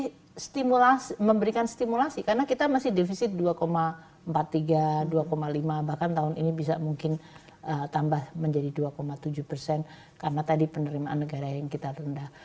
ini memberikan stimulasi karena kita masih defisit dua empat puluh tiga dua lima bahkan tahun ini bisa mungkin tambah menjadi dua tujuh persen karena tadi penerimaan negara yang kita rendah